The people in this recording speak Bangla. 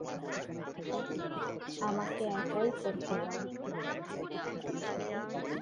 আমাকে একাই করতে দাও।